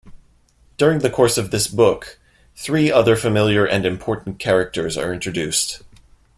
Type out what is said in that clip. During the course of this book, three other familiar and important characters are introduced.